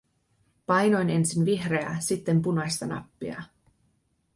Painoin ensin vihreää, sitten punaista nappia.